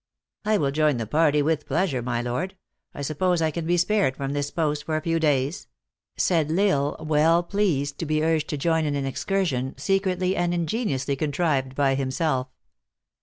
" I will join the party with pleasure, my lord. I suppose I can be spared from this post for a few days ?" said L Isle, well pleased to be urged to join in an excursion, secretly and ingeniously contrived by himself.